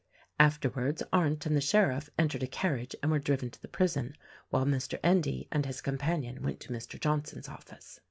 After wards Arndt and the sheriff entered a carriage and were driven to the prison, while Mr. Endy and his companion went to Mr. Johnson's office.